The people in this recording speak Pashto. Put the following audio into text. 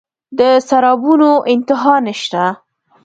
د سرابونو انتها نشته